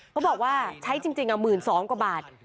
เขาบอกว่าใช้จริง๑๒๐๐กว่าบาท